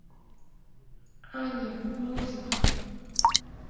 — Ане, музык...